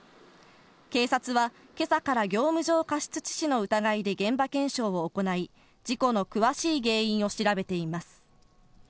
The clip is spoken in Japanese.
警察は、今朝から業務上過失致死の疑いで現場検証を行い、事故の詳しい原因を調べています。